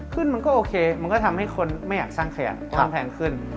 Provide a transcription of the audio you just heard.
มันก็โอเคมันก็ทำให้คนไม่อยากสร้างขยะเพราะมันแพงขึ้น